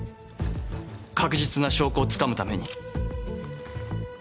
確実な証拠をつかむために。